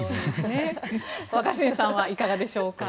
若新さんはいかがでしょうか。